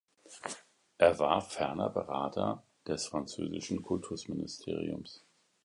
Er war ferner Berater des französischen Kultusministeriums.